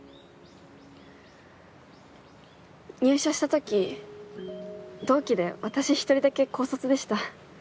入社した時同期で私１人だけ高卒でした。